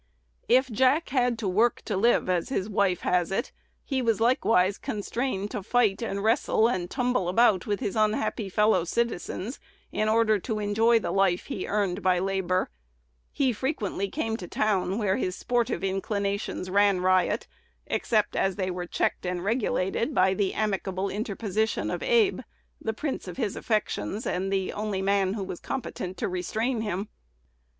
If Jack had "to work to live," as his wife has it, he was likewise constrained to fight and wrestle and tumble about with his unhappy fellow citizens, in order to enjoy the life he earned by labor. He frequently came "to town," where his sportive inclinations ran riot, except as they were checked and regulated by the amicable interposition of Abe, the prince of his affections, and the only man who was competent to restrain him.